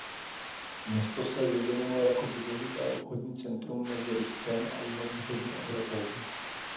Město se vyvinulo jako důležité obchodní centrum mezi Ruskem a jihovýchodní Evropou.